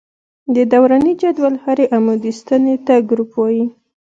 د دوراني جدول هرې عمودي ستنې ته ګروپ وايي.